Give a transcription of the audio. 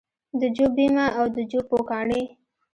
د جو بیمه او د جو پوکاڼې